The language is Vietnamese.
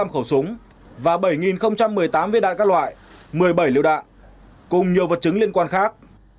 năm mươi năm khẩu súng và bảy một mươi tám viên đạn các loại một mươi bảy liệu đạn cùng nhiều vật chứng liên quan khác